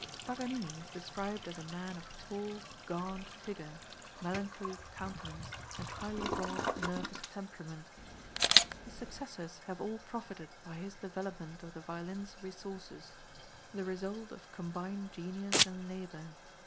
Paganini is described as a man of tall, gaunt figure, melancholy countenance and highly wrought nervous temperament. His successors have all profited by his development of the violin's resources, the result of combined genius and labor.